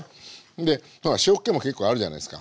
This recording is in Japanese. で塩っ気も結構あるじゃないですか？